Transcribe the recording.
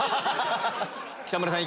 北村さん